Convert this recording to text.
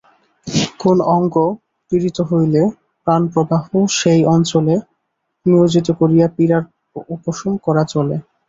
কোন অঙ্গ পীড়িত হইলে প্রাণপ্রবাহ সেই অঞ্চলে নিয়োজিত করিয়া পীড়ার উপশম করা চলে।